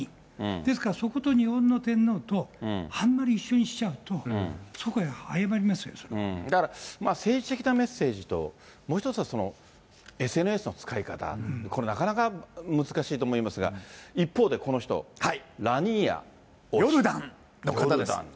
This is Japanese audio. ですから、そこと日本の天皇と、あんまり一緒にしちゃうと、だから、政治的なメッセージと、もう一つはＳＮＳの使い方、これ、なかなか難しいと思いますが、一方で、この人、ヨルダンの方です。